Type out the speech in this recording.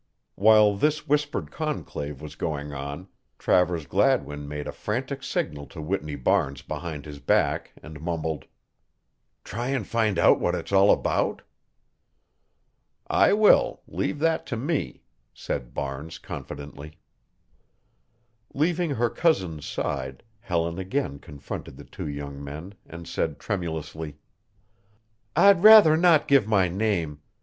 While this whispered conclave was going on Travers Gladwin made a frantic signal to Whitney Barnes behind his back and mumbled: "Try and find out what it's all about?" "I will leave that to me," said Barnes confidently. Leaving her cousin's side, Helen again confronted the two young men and said tremulously: "I'd rather not give my name.